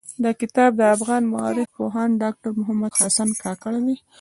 دا کتاب د افغان مٶرخ پوهاند ډاکټر محمد حسن کاکړ دٸ.